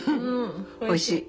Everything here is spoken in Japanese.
おいしい。